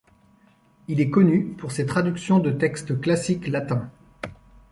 Il est connu pour ses traductions de textes classiques latins.